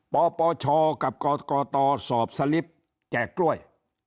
ปปชกับกตสอบสลิปแจกกล้วย